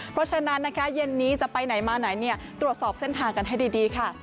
เพราะฉะนั้นนะคะเย็นนี้จะไปไหนมาไหนตรวจสอบเส้นทางกันให้ดีค่ะ